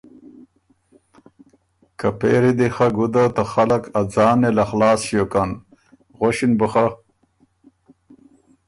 که پېری دی خه ګُده ته خلق اځان نېله خلاص ݭیوکن۔ غؤݭِن بُو خۀ،